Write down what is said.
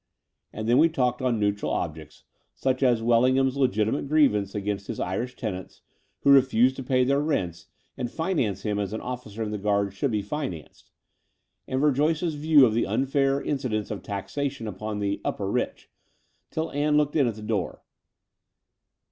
And then we talked on neutral subjects, such as Wellingham's legitimate grievance against his Irish tenants, who refused to pay their rents and finance him as an officer in the Guards should be financed, and Verjoyce's views of the vidair in cidence of taxation upon the "upper rich," till Ann looked in at the door.